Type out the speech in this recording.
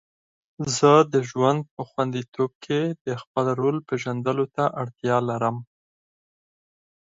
زه د ژوند په خوندیتوب کې د خپل رول پیژندلو ته اړتیا لرم.